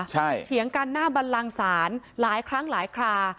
ใช่เถียงกันหน้าบันลังศาลหลายครั้งหลายครา